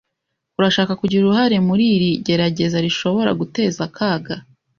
Urashaka kugira uruhare muri iri gerageza rishobora guteza akaga?